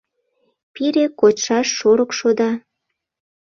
Пире кочшаш шорыкшо да